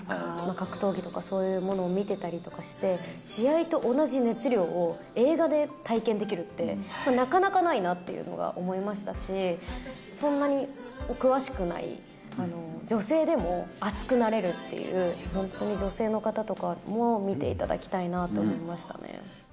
格闘技とかそういうものを見てたりとかして、試合と同じ熱量を映画で体験できるって、なかなかないなっていうのは思いましたし、そんなに詳しくない女性でも熱くなれるっていう、本当に女性の方とかも見ていただきたいなと思いましたね。